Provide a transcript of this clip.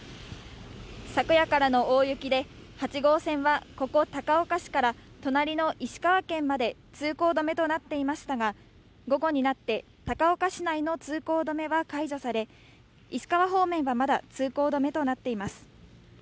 昨夜からの大雪で、８号線はここ、高岡市から隣の石川県まで通行止めとなっていましたが、午後になって、高岡市内の通行止めは解除され、石川方面はまだ通行止めとなっています。